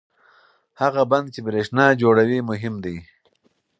هغه بند چې برېښنا جوړوي مهم دی.